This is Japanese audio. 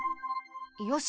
よし。